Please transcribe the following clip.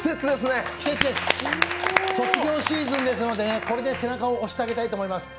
卒業シーズンですのでこれで背中を押してあげたいと思います！